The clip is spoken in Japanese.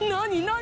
何？